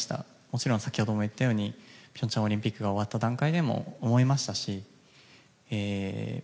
もちろん先ほども言ったように平昌オリンピックが終わった段階でも思いましたし。